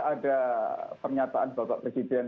ada pernyataan bapak presiden